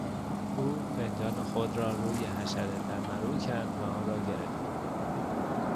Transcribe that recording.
او فنجان خود را روی حشره دمرو کرد و آن را گرفت.